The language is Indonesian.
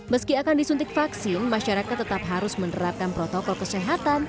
meski akan disuntik vaksin masyarakat tetap harus menerapkan protokol kesehatan